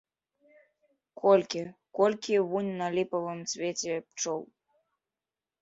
Колькі, колькі вунь на ліповым цвеце пчол!